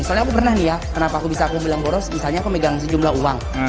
soalnya aku pernah nih ya kenapa aku bisa aku bilang boros misalnya aku megang sejumlah uang